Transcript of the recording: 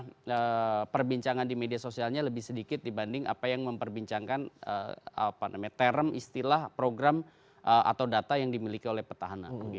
meskipun jumlah misalnya tweetnya atau jumlah perbincangan di media sosialnya lebih sedikit dibanding apa yang memperbincangkan term istilah program atau data yang dimiliki oleh petahanan